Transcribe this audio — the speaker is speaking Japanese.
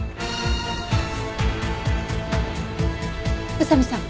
宇佐見さん。